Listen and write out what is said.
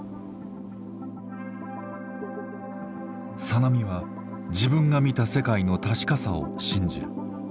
小波は自分が見た世界の確かさを信じる。